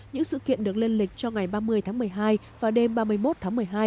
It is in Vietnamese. những sự kiện được lên lịch cho ngày ba mươi tháng một mươi hai và đêm ba mươi một tháng một mươi hai